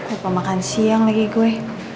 udah makan siang lagi gue